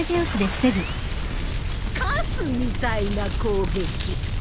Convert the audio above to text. カスみたいな攻撃。